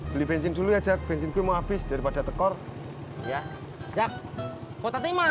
beli bensin dulu ya jack bensin gue mau habis daripada tekor ya jack potati mana dalam